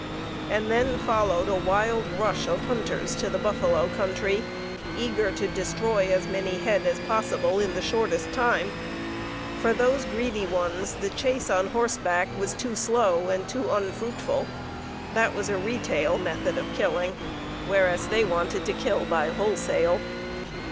And then followed a wild rush of hunters to the buffalo country, eager to destroy as many head as possible in the shortest time. For those greedy ones the chase on horseback was "too slow" and too unfruitful. That was a retail method of killing, whereas they wanted to kill by wholesale.